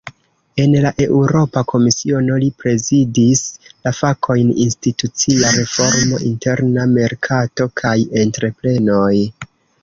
En la Eŭropa Komisiono, li prezidis la fakojn "institucia reformo, interna merkato kaj entreprenoj".